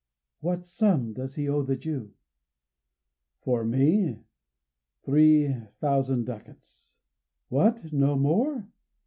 "What sum does he owe the Jew?" "For me, three thousand ducats." "What! no more?